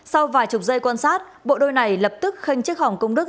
sau vài chục giây quan sát bộ đôi này lập tức khênh chiếc hòm công đức